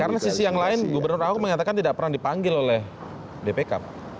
karena sisi yang lain gubernur ahok menyatakan tidak pernah dipanggil oleh bpk